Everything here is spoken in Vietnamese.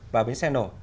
và bến xe nổ